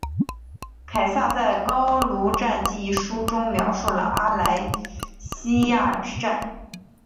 凯撒在高卢战记一书中描述了阿莱西亚之战。